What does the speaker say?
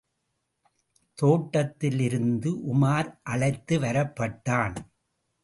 தோட்டத்திலிருந்து உமார் அழைத்து வரப்பட்டான்.